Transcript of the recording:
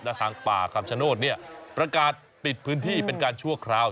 และทางป่าคำชโนธเนี่ยประกาศปิดพื้นที่เป็นการชั่วคราว